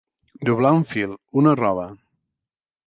Doblar un fil, una roba.